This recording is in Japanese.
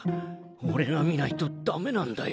おれが見ないとダメなんだよ。